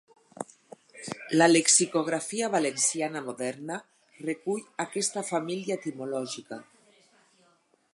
La lexicografia valenciana moderna recull aquesta família etimològica.